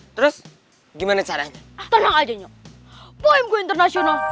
terus gimana caranya